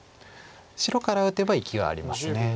白から打てば生きがあります。